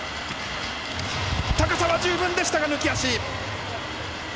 高さは十分でしたが、抜き足。